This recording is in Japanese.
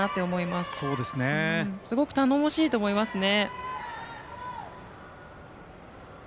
すごく頼もしいと思いますね。